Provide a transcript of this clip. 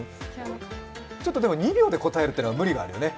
ちょっと２秒で答えるというのは無理があるよね。